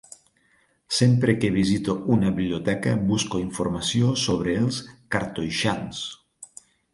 Sempre que visito una biblioteca busco informació sobre els cartoixans.